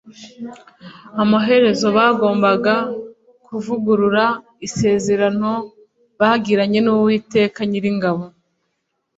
amaherezo bagombag kuvugurura isezerano bagiranye nUwiteka Nyiringabo